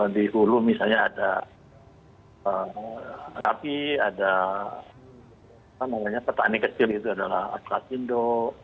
di ulu misalnya ada gapki ada pertanian kecil itu adalah afratindo